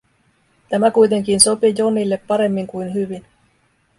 Tämä kuitenkin sopi Jonille paremmin kuin hyvin.